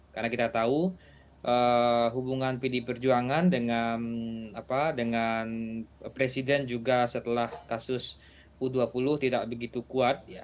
karena kita tahu hubungan pd perjuangan dengan presiden juga setelah kasus u dua puluh tidak begitu kuat